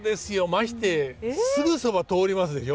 ましてすぐ側通りますでしょ。